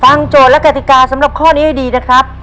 โจทย์และกติกาสำหรับข้อนี้ให้ดีนะครับ